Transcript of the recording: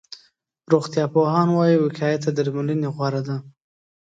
روغتيا پوهان وایي، وقایه تر درملنې غوره ده.